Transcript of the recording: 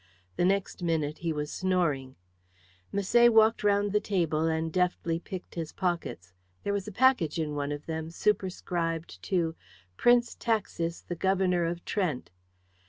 The next minute he was snoring. Misset walked round the table and deftly picked his pockets. There was a package in one of them superscribed to "Prince Taxis, the Governor of Trent."